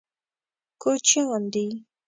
کوچیان دي.